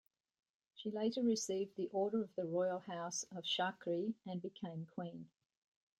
She later received the Order of the Royal House of Chakri, and became queen.